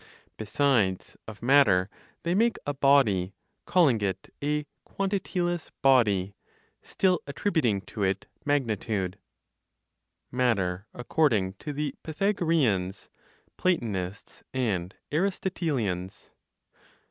Besides, of matter they make a body, calling it a "quantityless body," still attributing to it magnitude. MATTER ACCORDING TO THE PYTHAGOREANS, PLATONISTS AND ARISTOTELIANS.